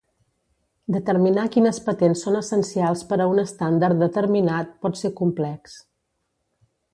Determinar quines patents són essencials per a un estàndard determinat pot ser complex.